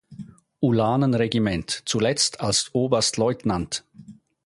Ulanen-Regiment, zuletzt als Oberstleutnant.